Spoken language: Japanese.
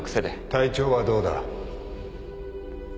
体調はどうだ？